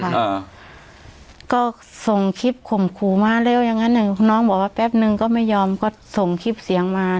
อ่าก็ส่งคลิปข่มขู่มาเร็วอย่างงั้นอ่ะน้องบอกว่าแป๊บนึงก็ไม่ยอมก็ส่งคลิปเสียงมา